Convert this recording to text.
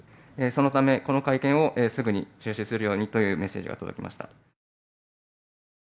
そのため、この会見をすぐに中止するようにというメッセージが届きました。